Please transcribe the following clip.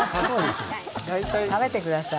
食べてください。